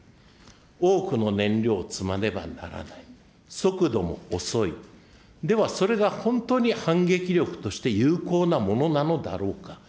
多くの燃料を積まねばならない、速度も遅い、では、それが本当に反撃能力として有効なものなのだろうか。